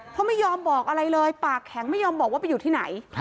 เพราะไม่ยอมบอกอะไรเลยปากแข็งไม่ยอมบอกว่าไปอยู่ที่ไหน